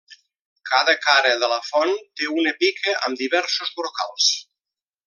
Cada cara de la font té una pica amb diversos brocals.